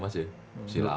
masih lama sih